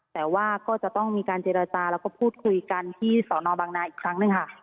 แต่ว่าก็จะต้องมีการเจรจาแล้วก็พูดคุยกันที่สอนอบังนาอีกครั้งหนึ่งค่ะ